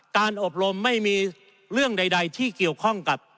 อบรมไม่มีเรื่องใดที่เกี่ยวข้องกับ